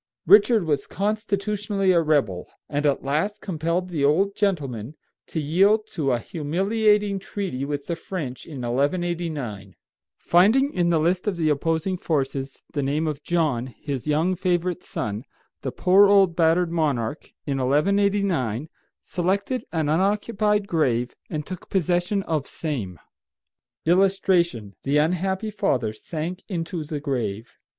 Richard was constitutionally a rebel, and at last compelled the old gentleman to yield to a humiliating treaty with the French in 1189. Finding in the list of the opposing forces the name of John, his young favorite son, the poor old battered monarch, in 1189, selected an unoccupied grave and took possession of same. [Illustration: THE UNHAPPY FATHER SANK INTO THE GRAVE.